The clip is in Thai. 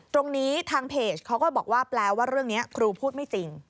ตรงนี้ทางเพจเขาก็บอกว่าแปลว่าเรื่องนี้ครูพูดไม่จริง